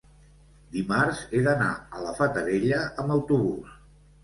dimarts he d'anar a la Fatarella amb autobús.